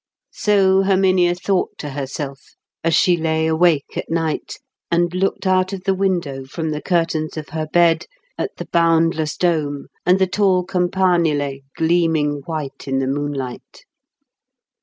So Herminia thought to herself as she lay awake at night and looked out of the window from the curtains of her bed at the boundless dome and the tall campanile gleaming white in the moonlight.